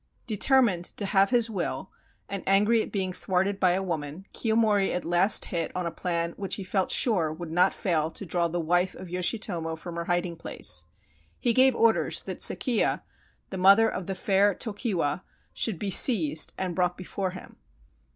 Determined to have his will, and angry at being thwarted by a woman, Kiyomori at last hit on a plan which he felt sure would not fail to draw the wife of Yoshitomo from her hiding place. He gave orders that Sekiya, the mother of the fair Tokiwa, should be seized and brought before him.